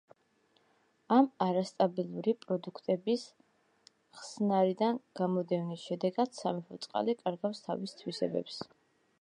ამ არასტაბილური პროდუქტების ხსნარიდან გამოდევნის შედეგად, სამეფო წყალი კარგავს თავის თვისებებს.